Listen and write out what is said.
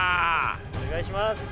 お願いします。